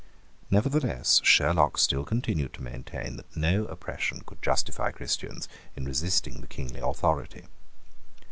Nevertheless Sherlock still continued to maintain that no oppression could justify Christians in resisting the kingly authority.